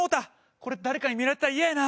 これ誰かに見られてたらイヤやな。